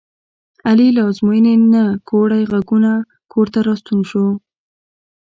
علي له ازموینې نه کوړی غوږونه کورته راستون شو.